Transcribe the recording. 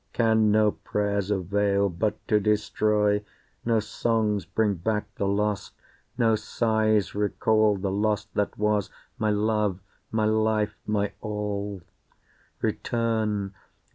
can no prayers avail but to destroy, No songs bring back the lost, no sighs recall The lost that was my love, my life, my all? Return!